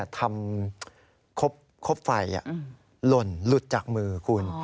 ทำครบไฟหล่นหลุดจากมือคุณ